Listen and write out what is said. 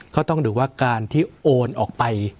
ก็ต้องดูว่าการที่โอนออกไป